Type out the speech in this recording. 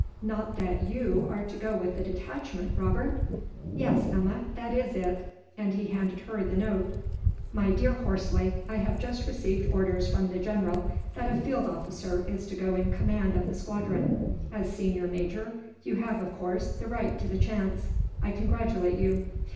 "Not that you are to go with the detachment, Robert?" "Yes, Emma, that is it;" and he handed her the note. "My dear Horsley, I have just received orders from the general that a field officer is to go in command of the squadron. As senior major, you have, of course, the right to the chance. I congratulate you."